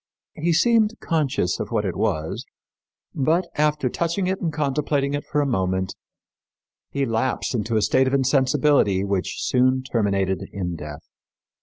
He seemed conscious of what it was; but, after touching it and contemplating it for a moment, he lapsed into a state of insensibility which soon terminated in death.